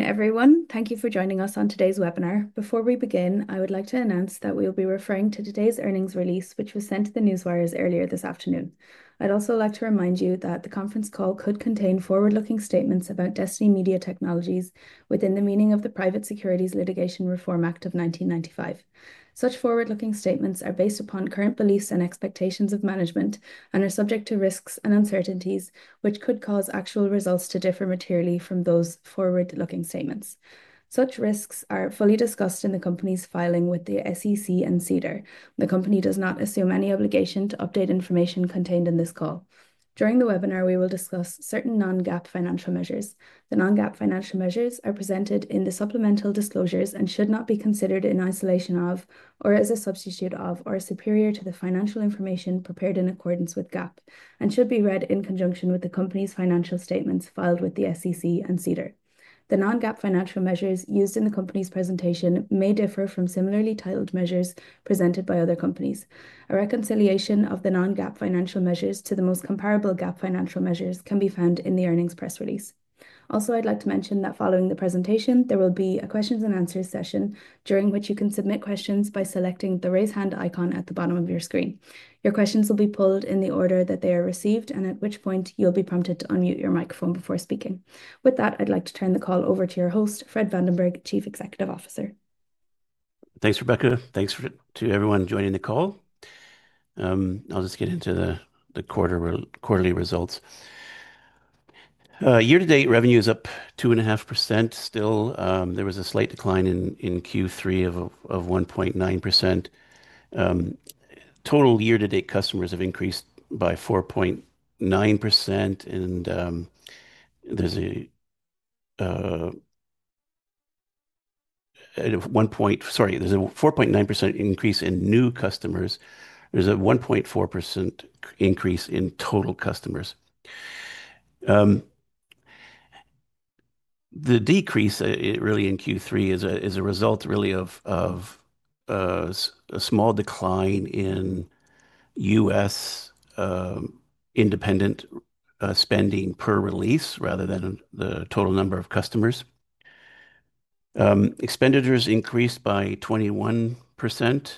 Everyone, thank you for joining us on today's webinar. Before we begin, I would like to announce that we will be referring to today's earnings release, which was sent to the newswires earlier this afternoon. I'd also like to remind you that the conference call could contain forward-looking statements about Destiny Media Technologies within the meaning of the Private Securities Litigation Reform Act of 1995. Such forward-looking statements are based upon current beliefs and expectations of management and are subject to risks and uncertainties, which could cause actual results to differ materially from those forward-looking statements. Such risks are fully discussed in the company's filing with the SEC and SEDAR. The company does not assume any obligation to update information contained in this call. During the webinar, we will discuss certain non-GAAP financial measures. The non-GAAP financial measures are presented in the supplemental disclosures and should not be considered in isolation of, or as a substitute for, or superior to the financial information prepared in accordance with GAAP, and should be read in conjunction with the company's financial statements filed with the SEC and CEDR. The non-GAAP financial measures used in the company's presentation may differ from similarly titled measures presented by other companies. A reconciliation of the non-GAAP financial measures to the most comparable GAAP financial measures can be found in the earnings press release. Also, I'd like to mention that following the presentation, there will be a questions and answers session during which you can submit questions by selecting the raise hand icon at the bottom of your screen. Your questions will be pulled in the order that they are received, and at which point you'll be prompted to unmute your microphone before speaking. With that, I'd like to turn the call over to your host, Fred Vandenberg, Chief Executive Officer. Thanks, Rebecca. Thanks to everyone joining the call. I'll just get into the quarterly results. Year-to-date revenue is up 2.5%. Still, there was a slight decline in Q3 of 1.9%. Total year-to-date customers have increased by 4.9%, and there's a 1.9% increase in new customers. There's a 1.4% increase in total customers. The decrease really in Q3 is a result really of a small decline in U.S. independent spending per release rather than the total number of customers. Expenditures increased by 21%.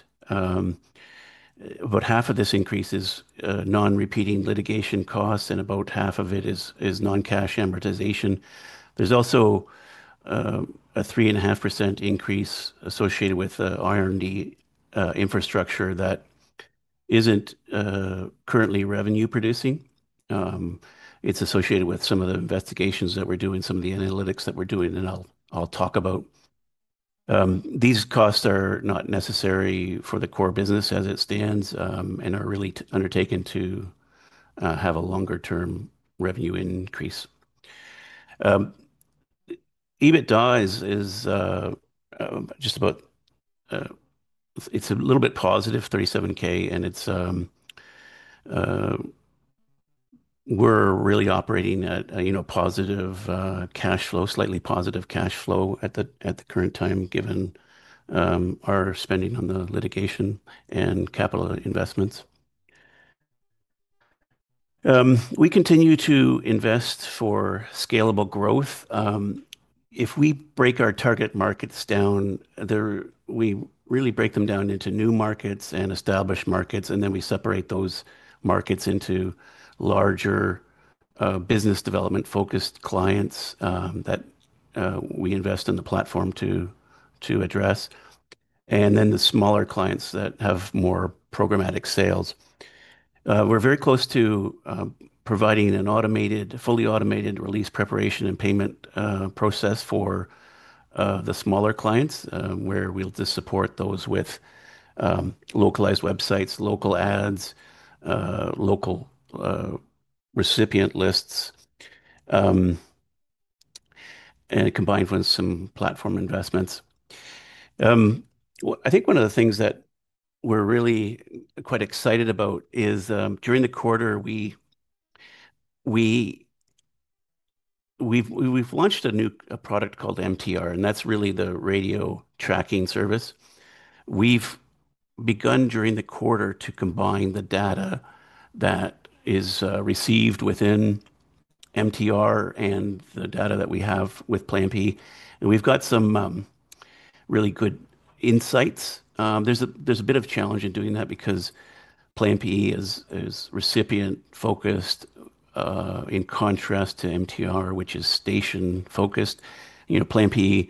About half of this increase is non-repeating litigation costs, and about half of it is non-cash amortization. There's also a 3.5% increase associated with the R&D infrastructure that isn't currently revenue-producing. It's associated with some of the investigations that we're doing, some of the analytics that we're doing, and I'll talk about. These costs are not necessary for the core business as it stands and are really undertaken to have a longer-term revenue increase. EBITDA is just about, it's a little bit positive, $37,000, and we're really operating at a positive cash flow, slightly positive cash flow at the current time given our spending on the litigation and capital investments. We continue to invest for scalable growth. If we break our target markets down, we really break them down into new markets and established markets, and then we separate those markets into larger business development-focused clients that we invest in the platform to address, and then the smaller clients that have more programmatic sales. We're very close to providing an automated, fully automated release preparation and payment process for the smaller clients where we'll just support those with localized websites, local ads, local recipient lists, and combined with some platform investments. I think one of the things that we're really quite excited about is during the quarter, we've launched a new product called MTR, and that's really the radio tracking service. We've begun during the quarter to combine the data that is received within MTR and the data that we have with Play MPE. And we've got some really good insights. There's a bit of challenge in doing that because Play MPE is recipient-focused in contrast to MTR, which is station-focused. Play MPE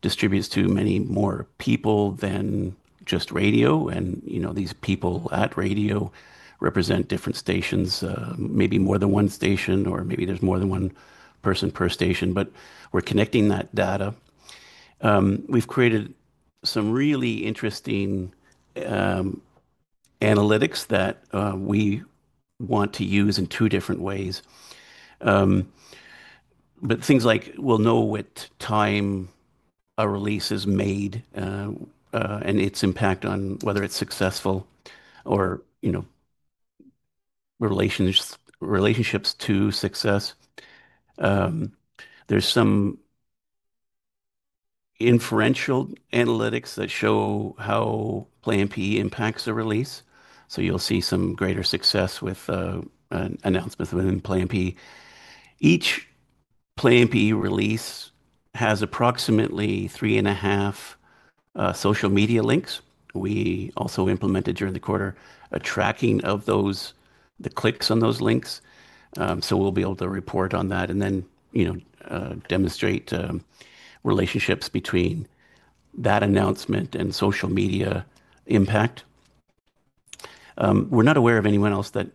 distributes to many more people than just radio, and these people at radio represent different stations, maybe more than one station, or maybe there's more than one person per station, but we're connecting that data. We've created some really interesting analytics that we want to use in two different ways. Things like we'll know what time a release is made and its impact on whether it's successful or relationships to success. There are some inferential analytics that show how Play MPE impacts a release. You'll see some greater success with announcements within Play MPE. Each Play MPE release has approximately 3.5 social media links. We also implemented during the quarter a tracking of the clicks on those links. We'll be able to report on that and then demonstrate relationships between that announcement and social media impact. We're not aware of anyone else that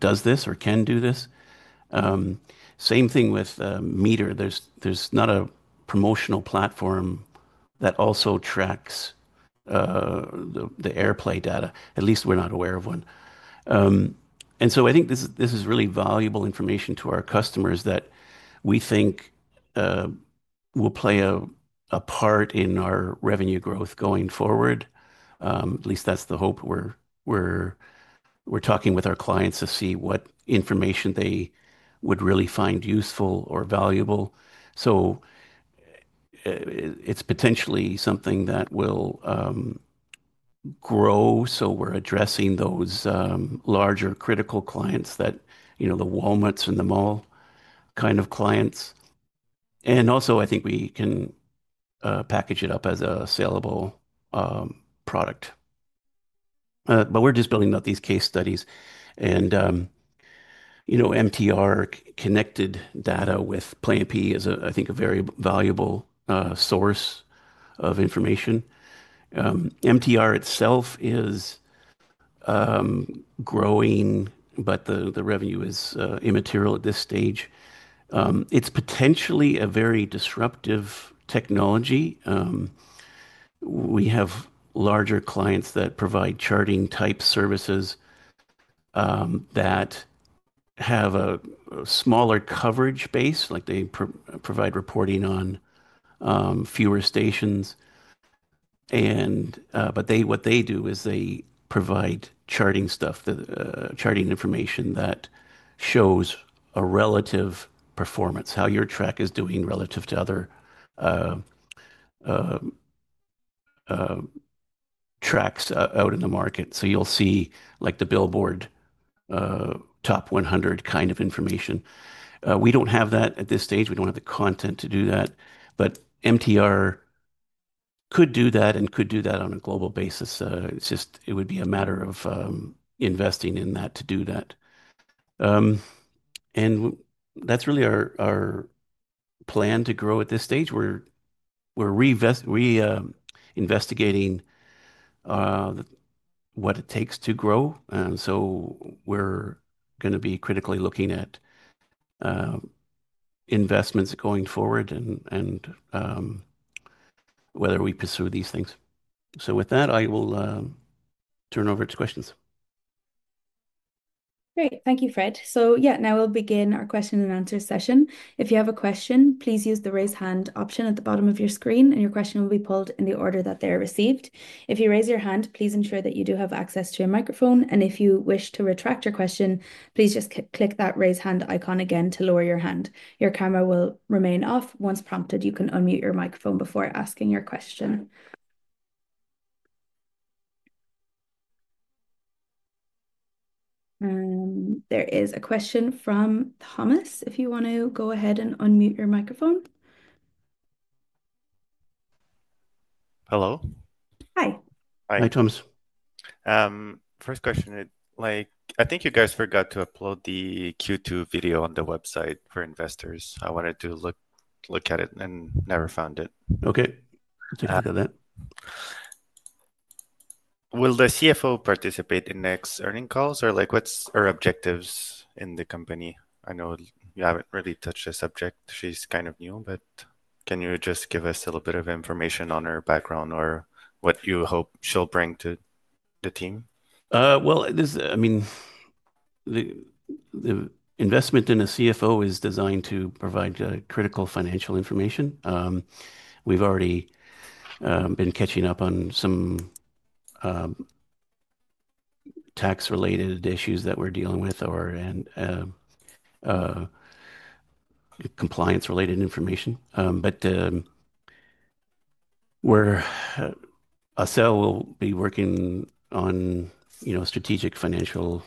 does this or can do this. The same thing with MTR. There's not a promotional platform that also tracks the airplay data. At least we're not aware of one. I think this is really valuable information to our customers that we think will play a part in our revenue growth going forward. At least that's the hope. We're talking with our clients to see what information they would really find useful or valuable. It's potentially something that will grow. We're addressing those larger critical clients, the Walmarts and the mall kind of clients. I think we can package it up as a sellable product. We're just building up these case studies. MTR connected data with Play MPE is, I think, a very valuable source of information. MTR itself is growing, but the revenue is immaterial at this stage. It's potentially a very disruptive technology. We have larger clients that provide charting type services that have a smaller coverage base. They provide reporting on fewer stations. What they do is they provide charting information that shows a relative performance, how your track is doing relative to other tracks out in the market. You'll see like the Billboard Top 100 kind of information. We don't have that at this stage. We don't have the content to do that. MTR could do that and could do that on a global basis. It would be a matter of investing in that to do that. That's really our plan to grow at this stage. We're reinvestigating what it takes to grow. We're going to be critically looking at investments going forward and whether we pursue these things. With that, I will turn over to questions. Great. Thank you, Fred. Now we'll begin our question-and-answer session. If you have a question, please use the raise hand option at the bottom of your screen, and your question will be pulled in the order that they are received. If you raise your hand, please ensure that you do have access to a microphone. If you wish to retract your question, please just click that raise hand icon again to lower your hand. Your camera will remain off. Once prompted, you can unmute your microphone before asking your question. There is a question from Thomas. If you want to go ahead and unmute your microphone. Hello? Hi. Hi. Hi, Thomas. First question, I think you guys forgot to upload the Q2 video on the website for investors. I wanted to look at it and never found it. Okay. I'll take care of that. Will the CFO participate in next earning calls? Or what's her objectives in the company? I know you haven't really touched this subject. She's kind of new, but can you just give us a little bit of information on her background or what you hope she'll bring to the team? The investment in a CFO is designed to provide critical financial information. We've already been catching up on some tax-related issues that we're dealing with or compliance-related information. Asel will be working on strategic financial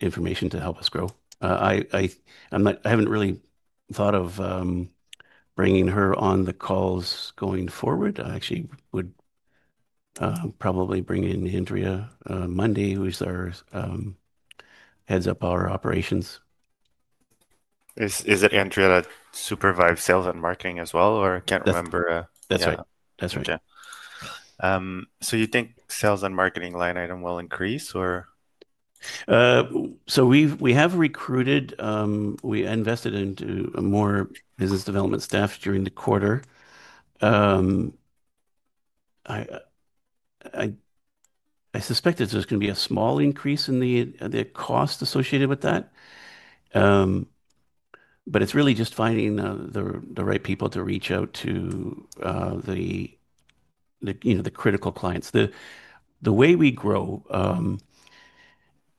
information to help us grow. I haven't really thought of bringing her on the calls going forward. I actually would probably bring in Andrea Mundie, who heads up our operations. Is Andrea supervised sales and marketing as well or can't remember? That's right. That's right. Okay, do you think sales and marketing line item will increase? We have recruited, we invested into more business development staff during the quarter. I suspect it's just going to be a small increase in the cost associated with that. It's really just finding the right people to reach out to the critical clients. The way we grow,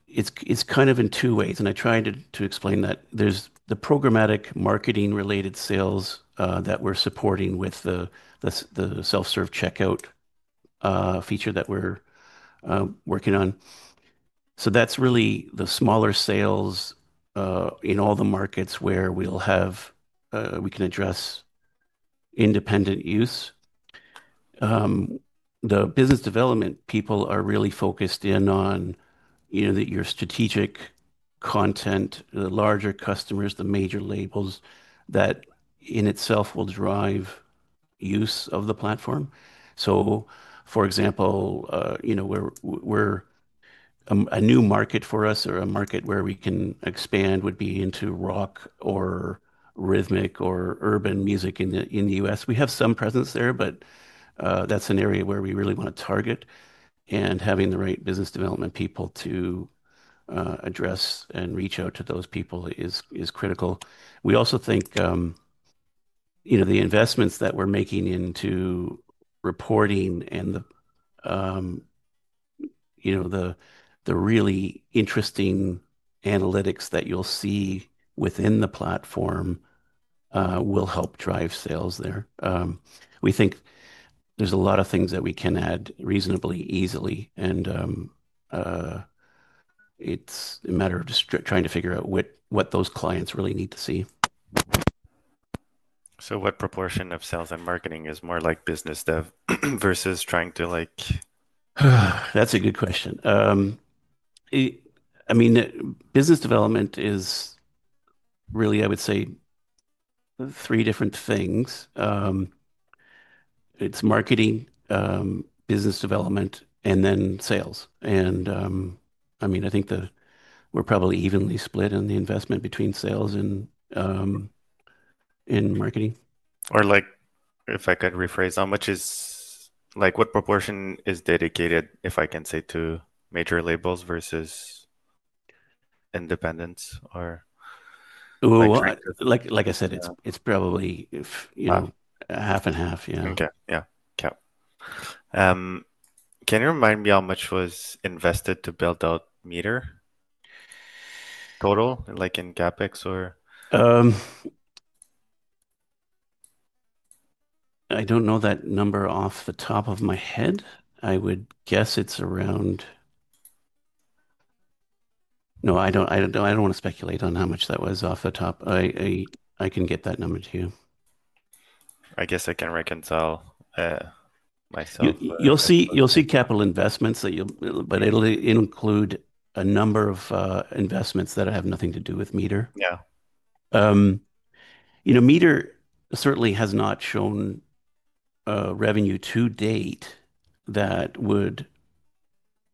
it's kind of in two ways. I tried to explain that there's the programmatic marketing-related sales that we're supporting with the self-serve checkout feature that we're working on. That's really the smaller sales in all the markets where we can address independent use. The business development people are really focused in on your strategic content, the larger customers, the major labels that in itself will drive use of the platform. For example, a new market for us or a market where we can expand would be into rock or rhythmic or urban music in the U.S. We have some presence there, but that's an area where we really want to target. Having the right business development people to address and reach out to those people is critical. We also think the investments that we're making into reporting and the really interesting analytics that you'll see within the platform will help drive sales there. We think there's a lot of things that we can add reasonably easily, and it's a matter of just trying to figure out what those clients really need to see. What proportion of sales and marketing is more like business versus trying to? That's a good question. I mean, business development is really, I would say, three different things. It's marketing, business development, and then sales. I think we're probably evenly split in the investment between sales and marketing. If I could rephrase, how much is, what proportion is dedicated, if I can say, to major labels versus independents? Like I said, it's probably half and half. Yeah. Okay. Can you remind me how much was invested to build out MTR total, like in CapEx or? I don't know that number off the top of my head. I would guess it's around... I don't want to speculate on how much that was off the top. I can get that number to you. I guess I can reconcile myself. You'll see capital investments, but it'll include a number of investments that have nothing to do with MTR. Yeah. MTR certainly has not shown revenue to date that would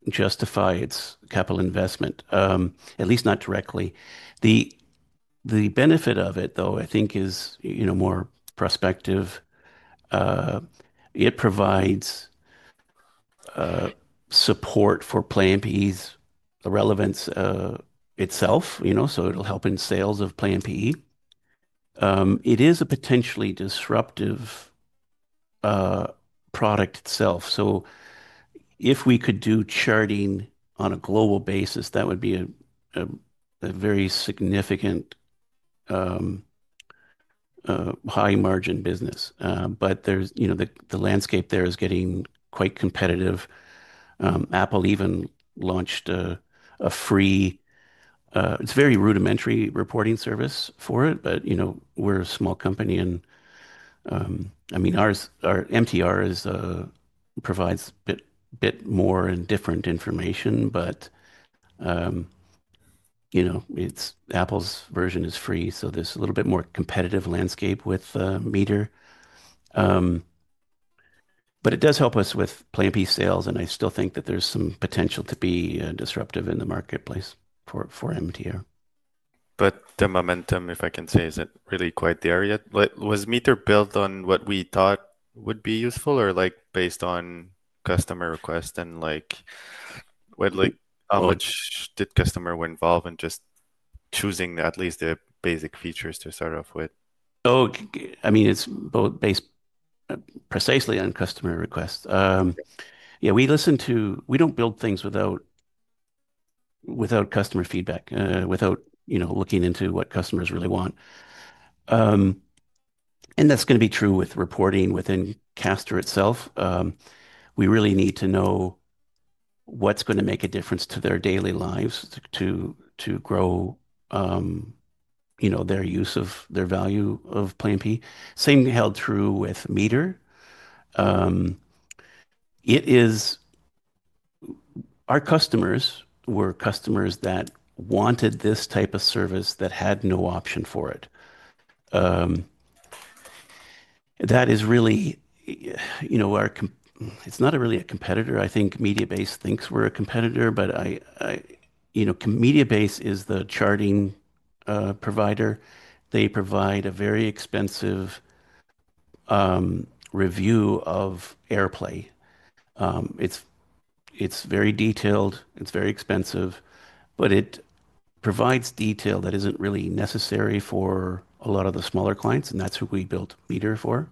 justify its capital investment, at least not directly. The benefit of it, though, I think is more prospective. It provides support for Play MPE's relevance itself, so it'll help in sales of Play MPE. It is a potentially disruptive product itself. If we could do charting on a global basis, that would be a very significant high-margin business. The landscape there is getting quite competitive. Apple even launched a free, very rudimentary reporting service for it, but we're a small company. Our MTR provides a bit more and different information, but Apple's version is free, so there's a little bit more competitive landscape with MTR. It does help us with Play MPE sales, and I still think that there's some potential to be disruptive in the marketplace for MTR. Is the momentum, if I can say, really quite there yet? Was MTR built on what we thought would be useful or based on customer requests, and how much did customers involve in just choosing at least the basic features to start off with? Oh, I mean, it's both based precisely on customer requests. Yeah, we listen to, we don't build things without customer feedback, without looking into what customers really want. That's going to be true with reporting within Caster itself. We really need to know what's going to make a difference to their daily lives to grow their use of their value of Play MPE. Same held true with MTR. Our customers were customers that wanted this type of service that had no option for it. That is really, you know, it's not really a competitor. I think Mediabase thinks we're a competitor, but Mediabase is the charting provider. They provide a very expensive review of airplay. It's very detailed. It's very expensive, but it provides detail that isn't really necessary for a lot of the smaller clients, and that's who we built MTR for.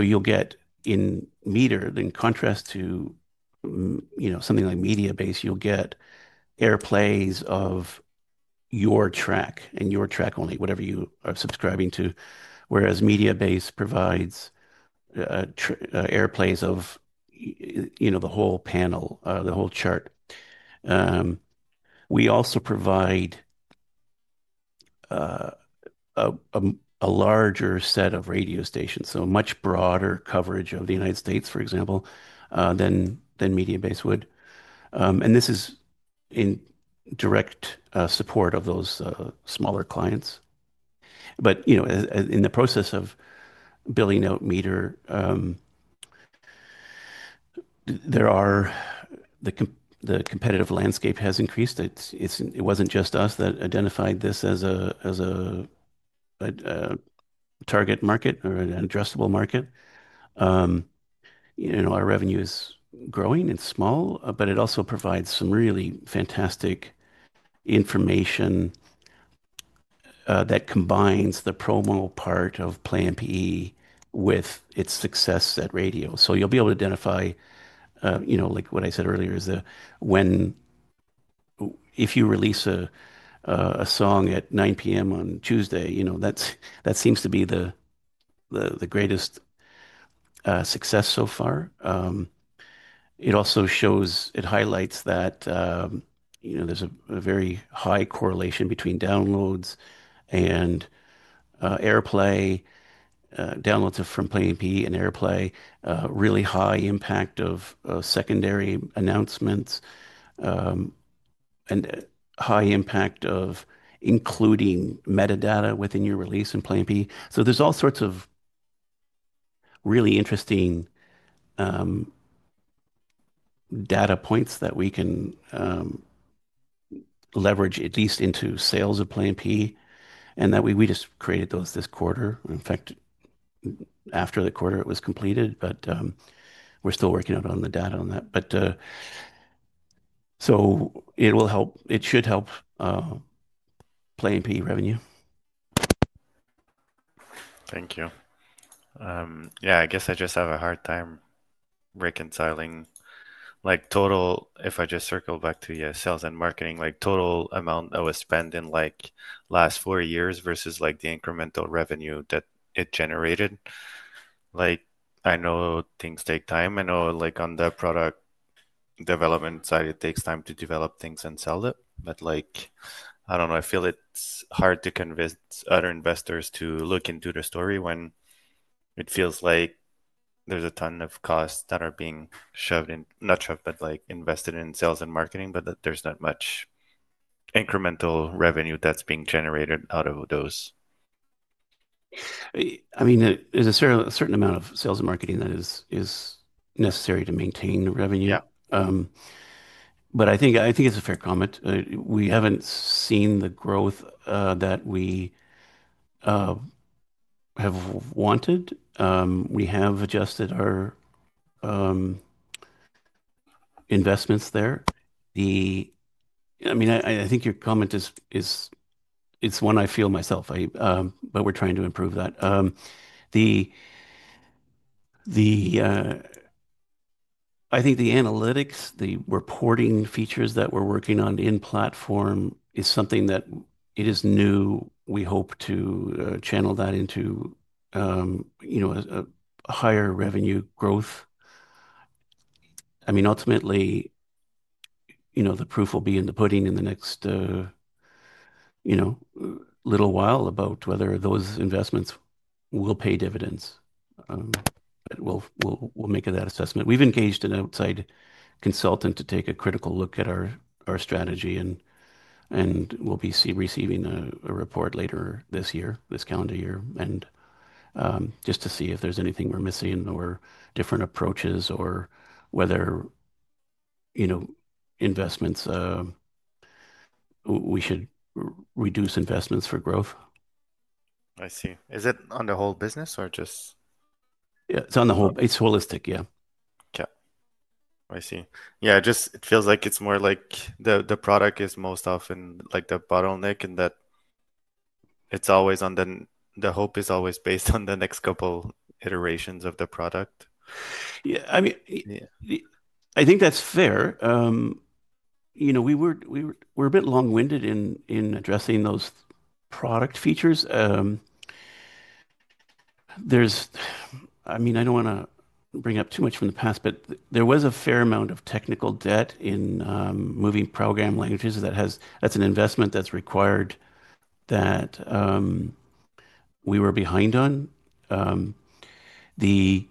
You'll get in MTR, in contrast to something like Mediabase, you'll get airplays of your track and your track only, whatever you are subscribing to, whereas Mediabase provides airplays of the whole panel, the whole chart. We also provide a larger set of radio stations, so a much broader coverage of the United States, for example, than Mediabase would. This is in direct support of those smaller clients. In the process of building out MTR, the competitive landscape has increased. It wasn't just us that identified this as a target market or an addressable market. Our revenue is growing and small, but it also provides some really fantastic information that combines the promo part of Play MPE with its success at radio. You'll be able to identify, you know, like what I said earlier, is that if you release a song at 9:00 P.M. on Tuesday, you know, that seems to be the greatest success so far. It also shows, it highlights that there's a very high correlation between downloads and airplay. Downloads from Play MPE and airplay, really high impact of secondary announcements and high impact of including metadata within your release in Play MPE. There's all sorts of really interesting data points that we can leverage at least into sales of Play MPE. That way we just created those this quarter. In fact, after the quarter, it was completed, but we're still working out on the data on that. It will help, it should help Play MPE revenue. Thank you. I guess I just have a hard time reconciling, like total, if I just circle back to your sales and marketing, like total amount I was spending the last four years versus the incremental revenue that it generated. I know things take time. I know on the product development side, it takes time to develop things and sell it. I don't know, I feel it's hard to convince other investors to look into the story when it feels like there's a ton of costs that are being shoved in, not shoved, but invested in sales and marketing, but that there's not much incremental revenue that's being generated out of those. There's a certain amount of sales and marketing that is necessary to maintain revenue. I think it's a fair comment. We haven't seen the growth that we have wanted. We have adjusted our investments there. I think your comment is, it's one I feel myself, but we're trying to improve that. I think the analytics, the reporting features that we're working on in platform is something that is new. We hope to channel that into a higher revenue growth. Ultimately, the proof will be in the pudding in the next little while about whether those investments will pay dividends. We'll make that assessment. We've engaged an outside consultant to take a critical look at our strategy, and we'll be receiving a report later this year, this calendar year, just to see if there's anything we're missing or different approaches or whether we should reduce investments for growth. I see. Is it on the whole business or just? Yeah, it's on the whole. It's holistic, yeah. Okay. I see. It feels like it's more like the product is most often the bottleneck, and that the hope is always based on the next couple of iterations of the product. Yeah, I mean, I think that's fair. We're a bit long-winded in addressing those product features. I don't want to bring up too much from the past, but there was a fair amount of technical debt in moving program languages. That's an investment that's required that we were behind on. There's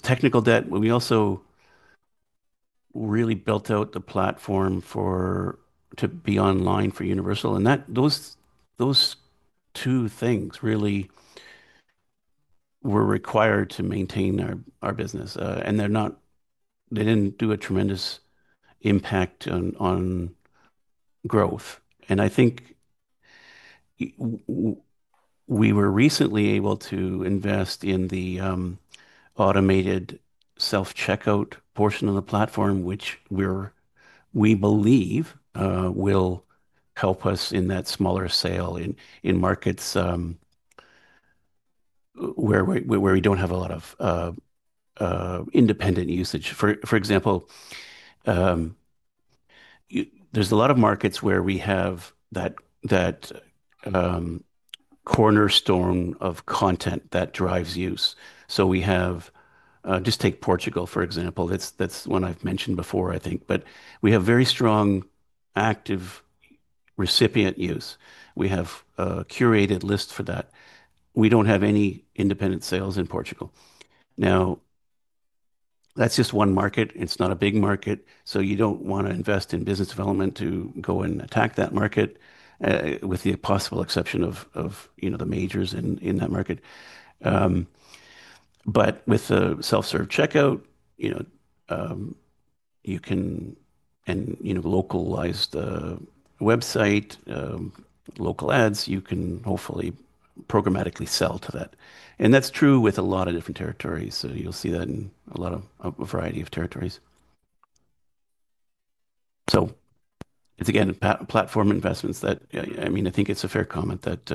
technical debt. We also really built out the platform to be online for Universal. Those two things really were required to maintain our business. They didn't do a tremendous impact on growth. I think we were recently able to invest in the automated self-serve checkout portion of the platform, which we believe will help us in that smaller sale in markets where we don't have a lot of independent usage. For example, there's a lot of markets where we have that cornerstone of content that drives use. Just take Portugal, for example. That's one I've mentioned before, I think. We have very strong active recipient use. We have a curated list for that. We don't have any independent sales in Portugal. That's just one market. It's not a big market. You don't want to invest in business development to go and attack that market with the possible exception of the majors in that market. With the self-serve checkout, you can localize the website, local ads, you can hopefully programmatically sell to that. That's true with a lot of different territories. You'll see that in a variety of territories. It's, again, platform investments that, I mean, I think it's a fair comment that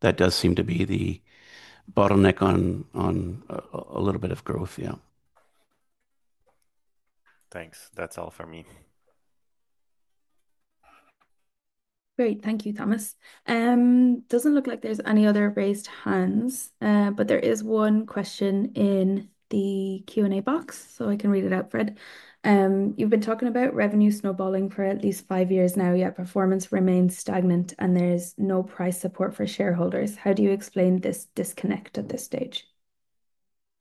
that does seem to be the bottleneck on a little bit of growth. Yeah. Thanks. That's all from me. Great. Thank you, Thomas. Doesn't look like there's any other raised hands, but there is one question in the Q&A box, so I can read it out, Fred. You've been talking about revenue snowballing for at least five years now, yet performance remains stagnant and there's no price support for shareholders. How do you explain this disconnect at this stage?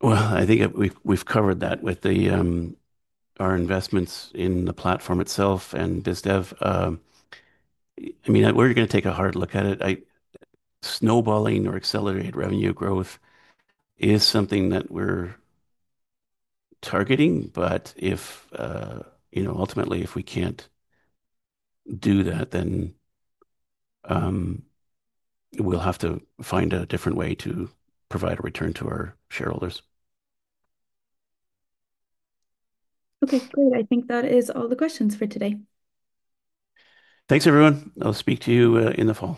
I think we've covered that with our investments in the platform itself and business development. I mean, we're going to take a hard look at it. Snowballing or accelerated revenue growth is something that we're targeting, but if, you know, ultimately, if we can't do that, then we'll have to find a different way to provide a return to our shareholders. Okay, great. I think that is all the questions for today. Thanks, everyone. I'll speak to you in the fall.